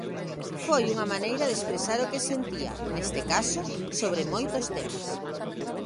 Foi unha maneira de expresar o que sentía, neste caso, sobre moitos temas.